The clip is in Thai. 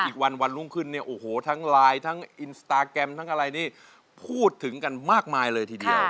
อีกวันวันรุ่งขึ้นเนี่ยโอ้โหทั้งไลน์ทั้งอินสตาแกรมทั้งอะไรนี่พูดถึงกันมากมายเลยทีเดียว